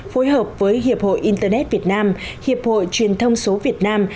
phối hợp với hiệp hội internet việt nam hiệp hội truyền thông số việt nam